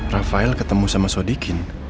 rafael ketemu sama sodikin